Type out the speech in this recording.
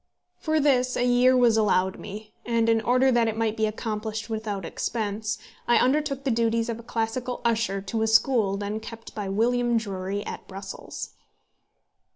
For this a year was allowed me, and in order that it might be accomplished without expense, I undertook the duties of a classical usher to a school then kept by William Drury at Brussels.